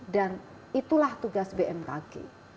dan itulah tugas bmkg